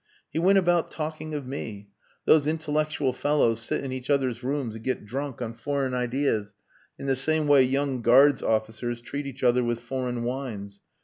"He went about talking of me. Those intellectual fellows sit in each other's rooms and get drunk on foreign ideas in the same way young Guards' officers treat each other with foreign wines.